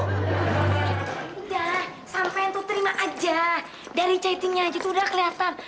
udah sampein tuh terima aja dari chattingnya aja tuh udah keliatan